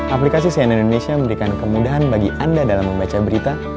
aplikasi cnn indonesia memberikan kemudahan bagi anda dalam membaca berita